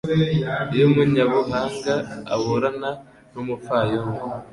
Iyo umunyabuhanga aburana n’umupfayongo